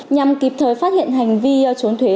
nhằm kịp thời phát hiện hành vi trốn thuế